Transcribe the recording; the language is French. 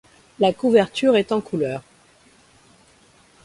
La couverture est en couleurs.